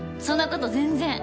そんなこと全然。